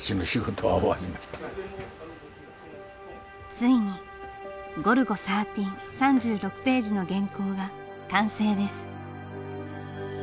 ついに「ゴルゴ１３」３６ページの原稿が完成です。